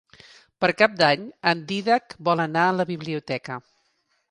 Per Cap d'Any en Dídac vol anar a la biblioteca.